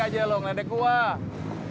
katanya istrinya deji udah balik